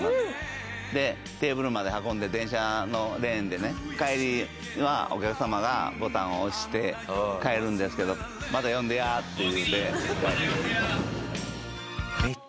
でテーブルまで運んで電車のレーンでね帰りはお客様がボタンを押して帰るんですけど「また呼んでや！」って言って。